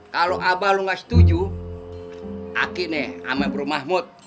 kalau abah lu gak setuju aku nih sama bur mahmud